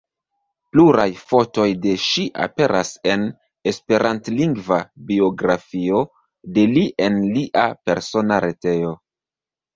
Pluraj fotoj de ŝi aperas en esperantlingva biografio de li en lia persona retejo.